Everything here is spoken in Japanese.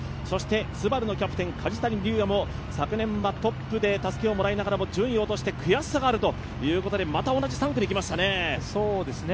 ＳＵＢＡＲＵのキャプテン・梶谷瑠哉は昨年はトップでたすきをもらいながらも順位を落として悔しさがあるということでまた同じ３区できましたね。